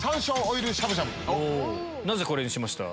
なぜこれにしました？